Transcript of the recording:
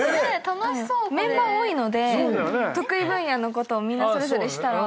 メンバー多いので得意分野のことをみんなそれぞれしたら。